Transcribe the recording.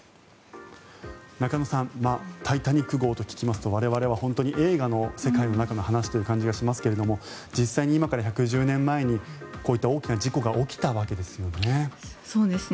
中野さん「タイタニック号」と聞きますと我々は本当に映画の世界の中の話という感じがしますが実際に今から１１０年前にこういった大きな事故が起きたわけですよね。